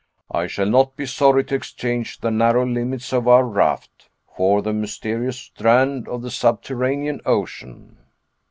I shall not be sorry to exchange the narrow limits of our raft for the mysterious strand of the subterranean ocean."